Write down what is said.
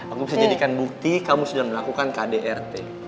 aku bisa jadikan bukti kamu sudah melakukan kdrt